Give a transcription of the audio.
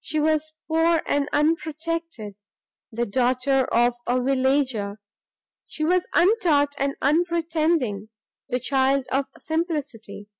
She was poor and unprotected, the daughter of a villager; she was untaught and unpretending, the child of simplicity!